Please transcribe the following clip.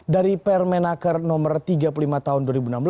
dari permenaker no tiga puluh lima tahun dua ribu enam belas